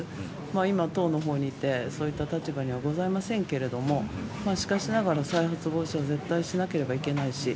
今、党の方にいて、そういった立場にはございませんけどしかしながら、再発防止は絶対しなければいけないし。